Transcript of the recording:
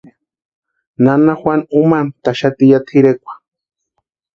Nana Juana úmantʼaxati ya tʼirekwa.